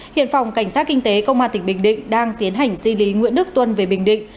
hiện phòng cảnh sát kinh tế công an tỉnh bình định đang tiến hành di lý nguyễn đức tuân về bình định